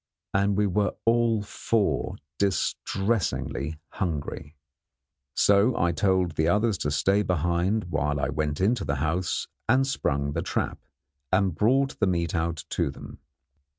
And we were all four distressingly hungry. [Illustration: IT WAS EVIDENTLY A TRAP.] So I told the others to stay behind while I went into the house and sprung the trap and brought the meat out to them.